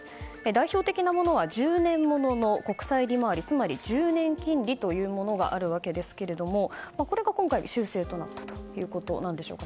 代表的なものは１０年物の国債利回りつまり１０年金利というものがあるわけですけれどもこれが今回、修正となったということなんでしょうか